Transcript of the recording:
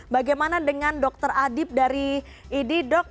bagaimana dengan dokter adib dari iddok